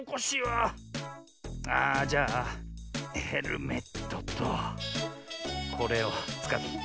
ああじゃあヘルメットとこれをつかって。